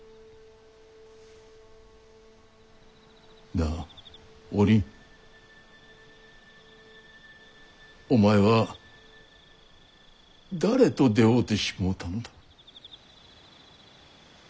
なあおりんお前は誰と出会うてしもうたのだ？